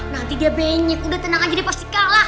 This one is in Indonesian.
nanti dia benyek udah tenang aja dia pasti kalah